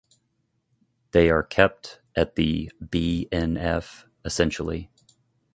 They are kept at the BnF essentially.